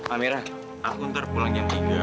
amerah aku ntar pulang jam tiga